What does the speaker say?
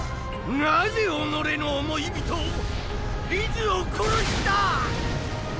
なぜ己の想い人をリズを殺した⁉